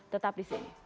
tetap di sini